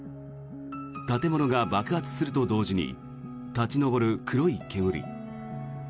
建物が爆発すると同時に立ち上る黒い煙。